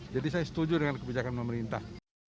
jadi saya setuju dengan kebijakan pemerintah